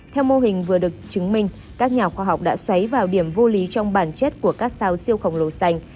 theo mô hình vừa được chứng minh các nhà khoa học đã xoáy vào điểm vô lý trong bản chất của các sao siêu khổng lồ sành